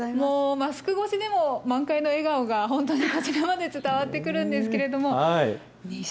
マスク越しでも満開の笑顔が本当にこちらまで伝わってくるんですけれども。